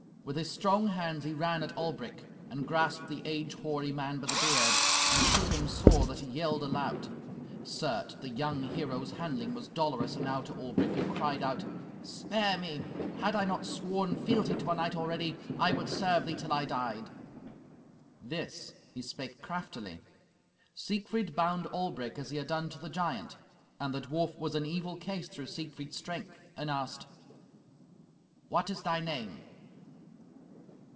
With his strong hands he ran at Albric, and grasped the age hoary man by the beard, and shook him sore, that he yelled aloud. Certes, the young hero's handling was dolorous enow to Albric, who cried out, "Spare me. Had I not sworn fealty to a knight already, I would serve thee till I died." This he spake craftily. Siegfried bound Albric as he had done to the giant, and the dwarf was in evil case through Siegfried's strength, and asked, "What is thy name?"